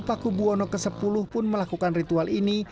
paku buwono ke sepuluh pun melakukan ritual ini